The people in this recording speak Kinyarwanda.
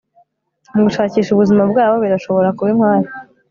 mugushakisha ubuzima bwabo birashobora kuba inkware